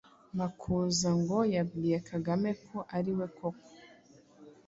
Makuza ngo yabwiye Kagame ko ari we koko